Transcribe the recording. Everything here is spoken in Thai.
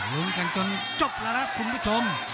ลุ้นกันจนจบแล้วนะคุณผู้ชม